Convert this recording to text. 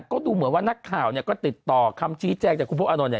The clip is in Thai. ก็ดูเหมือนว่านักข่าวเนี่ยก็ติดต่อคำชี้แจงจากคุณพระอานนท์เนี่ย